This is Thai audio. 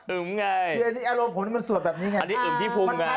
อึมอ้ง่ายอารมณ์ผลมันสวดแบบนี้ไง